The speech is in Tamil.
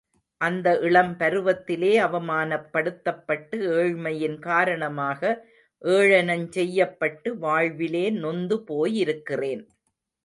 அந்த இளம் பருவத்திலே அவமானப் படுத்தப்பட்டு ஏழ்மையின் காரணமாக ஏளனஞ்செய்யப்பட்டு வாழ்விலே நொந்து போயிருக்கிறேன்.